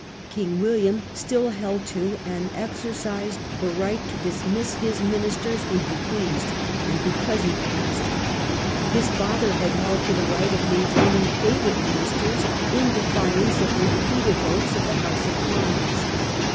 King William still held to and exercised the right to dismiss his ministers when he pleased, and because he pleased. His father had held to the right of main taining favourite ministers in defiance of repeated votes of the House of Commons.